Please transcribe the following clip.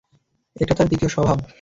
এটা তার দ্বিতীয় স্বভাব।